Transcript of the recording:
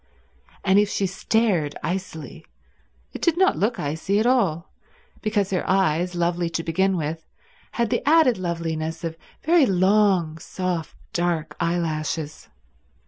And if she stared icily it did not look icy at all, because her eyes, lovely to begin with, had the added loveliness of very long, soft, dark eyelashes.